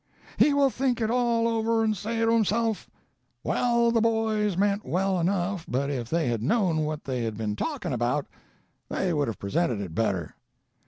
He will think it all over, and say to himself: 'Well, the boys meant well enough, but if they had known what they had been talking about they would have presented it better.'